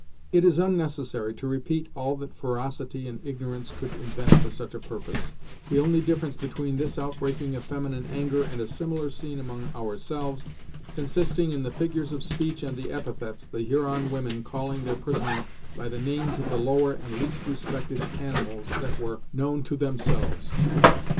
It is unnecessary to repeat all that ferocity and ignorance could invent for such a purpose, the only difference between this outbreaking of feminine anger, and a similar scene among ourselves, consisting in the figures of speech and the epithets, the Huron women calling their prisoner by the names of the lower and least respected animals that were known to themselves.